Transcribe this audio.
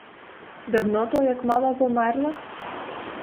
Давно то, як мама померла?